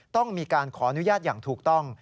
ต้องมีการขออนุญาตอย่างถูกต้อง